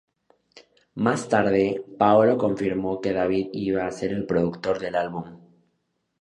Más tarde, Paolo confirmó que David iba a ser el productor del álbum.